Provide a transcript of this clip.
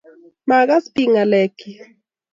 maakas bik ngalekchik